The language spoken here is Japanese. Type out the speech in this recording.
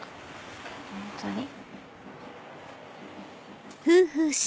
本当に。